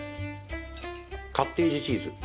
カッテージチーズ。